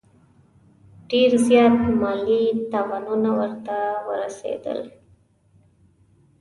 ډېر زیات مالي تاوانونه ورته ورسېدل.